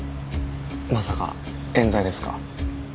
まさか冤罪ですか？